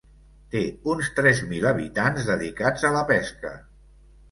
Té uns tres mil habitants dedicats a la pesca.